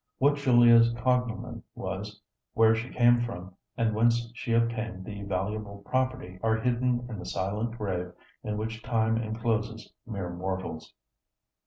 What Julia's cognomen was, where she came from, and whence she obtained the valuable property are hidden in the silent grave in which time encloses mere mortals.